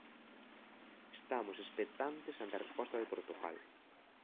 Estamos expectantes ante a resposta de Portugal.